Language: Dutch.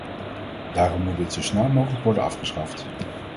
Daarom moet dit zo snel mogelijk worden afgeschaft.